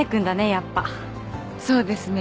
やっぱそうですね